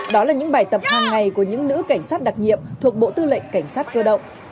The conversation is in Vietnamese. đó là những bài tập hàng ngày của những nữ cảnh sát đặc nhiệm thuộc bộ tư lệnh cảnh sát cơ động